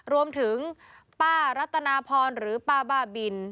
รวมถึงป้ารัตนาพรหรือป้าบ้าบิน